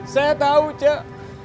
saya tahu cik